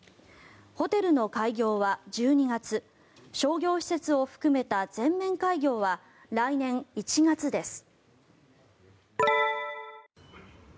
ホテルの開業は１２月商業施設を含めた全面開業は来年１月です。